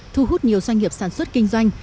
thu hút nhiều doanh nghiệp sản xuất kinh doanh